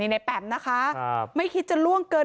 ในแปมนะคะไม่คิดจะล่วงเกิน